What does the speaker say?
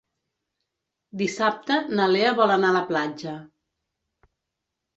Dissabte na Lea vol anar a la platja.